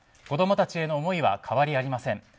子供たちへの思いは変わりありません。